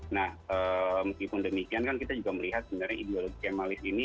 nah meskipun demikian kan kita juga melihat sebenarnya ideologi kemalis ini